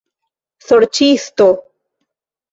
Sorĉisto!